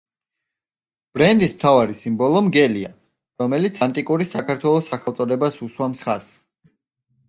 ბრენდის მთავარი სიმბოლო მგელია, რომელიც ანტიკური საქართველოს სახელწოდებას უსვამს ხაზს.